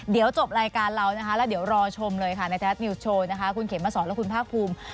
เดี๋ยวจบรายการเรานะคะแล้วเดี๋ยวรอชมเลยค่ะในไทยรัฐนิวส์โชว์นะคะคุณเขมมาสอนและคุณภาคภูมิ